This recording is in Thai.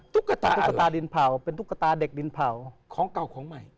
ตุ๊กตาตุ๊กตาดินเผาเป็นตุ๊กตาเด็กดินเผาของเก่าของใหม่